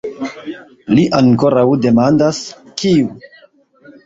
Li ankoraŭ demandas: kiu?